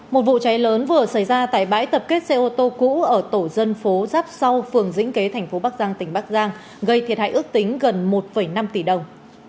một vụ cháy lớn vừa xảy ra tại bãi tập kết xe ô tô cũ ở tổ dân phố giáp sau phường dĩnh kế thành phố bắc giang tỉnh bắc giang gây thiệt hại ước tính gần một năm tỷ đồng